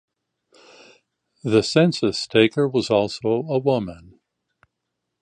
The census taker was also a woman.